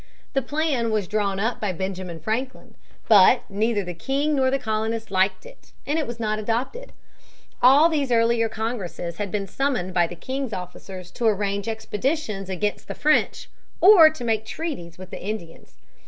The plan was drawn up by Benjamin Franklin. But neither the king nor the colonists liked it, and it was not adopted. All these earlier congresses had been summoned by the king's officers to arrange expeditions against the French or to make treaties with the Indians.